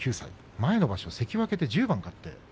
前の場所関脇で１０番勝っています。